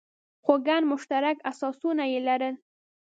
خو ګڼ مشترک اساسونه یې لرل.